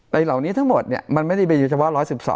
ในเหล่านี้ทั้งหมดเนี่ยมันไม่ได้อยู่เฉพาะ๑๑๒